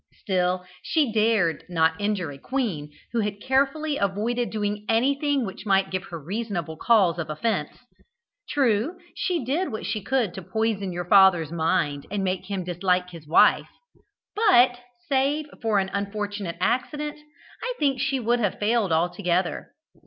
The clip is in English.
Still, she dared not injure a queen who had carefully avoided doing anything which might give her reasonable cause of offence. True, she did what she could to poison your father's mind and make him dislike his wife; but, save for an unfortunate accident, I think she would have failed altogether.